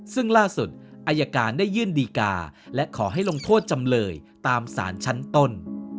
ซึ่งล่าสุดอายการได้ยื่นดีกาและขอให้ลงโทษจำเลยตามสารชั้นต้น